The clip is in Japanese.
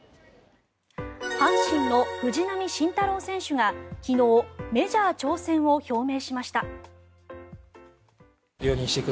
阪神の藤浪晋太郎選手が昨日、メジャー挑戦を表明しました。